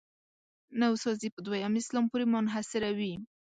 نوسازي په دویم اسلام پورې منحصروي.